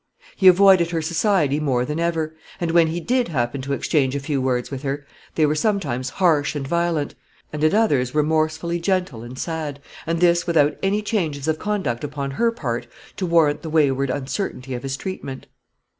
He avoided her society more than ever; and when he did happen to exchange a few words with her, they were sometimes harsh and violent, and at others remorsefully gentle and sad, and this without any changes of conduct upon her part to warrant the wayward uncertainty of his treatment.